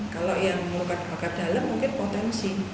kalau yang luka luka dalam mungkin potensi